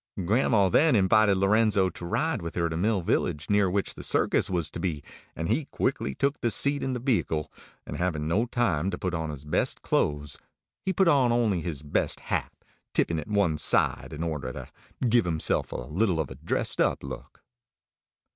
Grandma then invited Lorenzo to ride with her to Mill Village, near which the circus was to be; and he quickly took a seat in the vehicle, and having no time to put on his best clothes, he put on only his best hat, tipping it one side in order to give himself a little of a dressed up look.